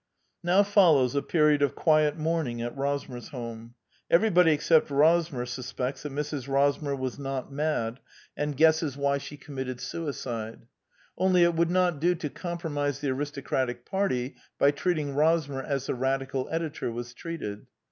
Now follows a period of quiet mourning at Rosmersholm. Everybody except Rosmer sus pects that Mrs. Rosmer was not mad, and guesses The Anti Idealist Plays 117 why she committed suicide. Only it would not do to compromise the aristocratic party by treat ing Rosmer as the Radical editor was treated.